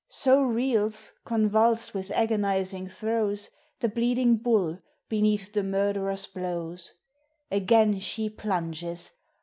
So reels, convulsed with agonizing throes. The bleeding bull beneath the murderer's blows. Again she plunges!